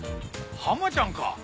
ハマちゃんか。